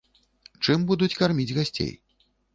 Чым будуць карміць гасцей?